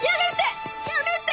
やめて！